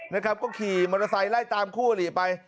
นะครับก็ขี่มอเตอร์ไซค์ไล่ตามคู่อลิไป